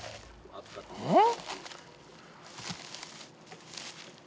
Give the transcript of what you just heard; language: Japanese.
うん？